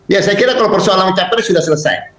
ya saya kira kalau persoalan capres sudah selesai